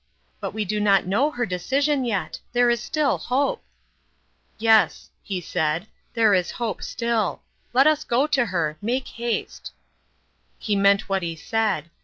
" But we do not know her de cision yet ; there is still hope !"" Yes," he said, " there is hope still. Let us go to her ; make haste !" He meant what he said.